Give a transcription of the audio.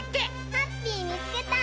ハッピーみつけた！